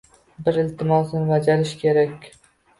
Bir iltimosni bajarish kerak